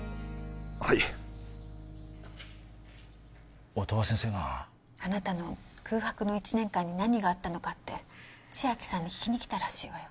はい音羽先生があなたの空白の１年間に何があったのかって千晶さんに聞きに来たらしいわよ